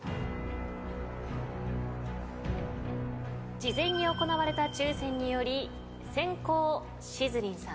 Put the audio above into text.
事前に行われた抽選により先攻しずりんさん